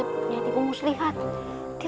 tidak ada yang bisa mengalahkannya